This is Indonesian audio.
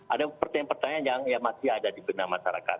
ada pertanyaan pertanyaan yang masih ada di benah masyarakat